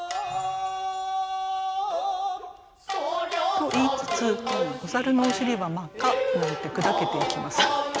と言いつつ「お猿のお尻はまっか」なんて砕けていきます。